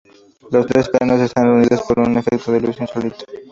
Los tres planos están unidos por un efecto de luz insólito.